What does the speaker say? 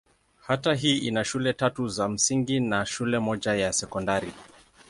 Kata hii ina shule tatu za msingi na shule moja ya sekondari.